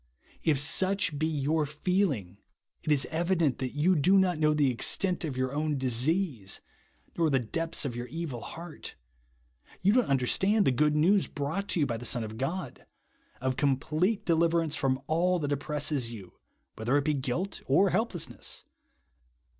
If such be 3^our feeling, it is evident that you do not know the extent of your own disea.se, nor the depths of your evil heart, you don't understand the good news brought to you by the Son of God, — of complete deliverance from all that oppresses you, whether it be guilt or helplessness.